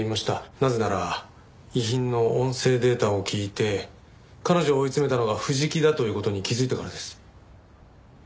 なぜなら遺品の音声データを聞いて彼女を追い詰めたのが藤木だという事に気づいたからです。